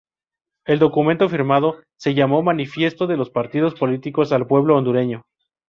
El documento firmado se llamó Manifiesto de los Partidos Políticos al Pueblo Hondureño.